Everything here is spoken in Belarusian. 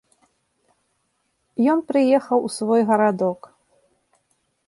Ён прыехаў у свой гарадок.